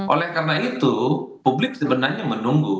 oleh karena itu publik sebenarnya menunggu